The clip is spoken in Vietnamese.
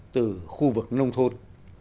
từ khu vực nông thôn